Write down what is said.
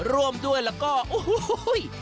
รวมด้วยแล้วก็อุ้ย